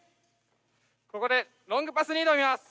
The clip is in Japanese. ここでロングパスに挑みます。